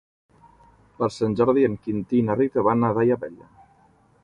Per Sant Jordi en Quintí i na Rita van a Daia Vella.